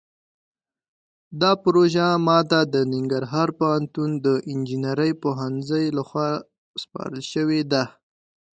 دا پروژه ماته د ننګرهار پوهنتون د انجنیرۍ پوهنځۍ لخوا سپارل شوې ده